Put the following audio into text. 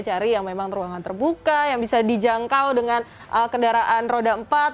cari yang memang ruangan terbuka yang bisa dijangkau dengan kendaraan roda empat